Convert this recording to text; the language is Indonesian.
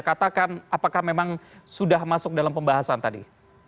katakan apakah memang sudah masuk dalam pembahasan tadi